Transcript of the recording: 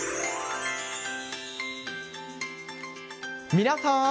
皆さん。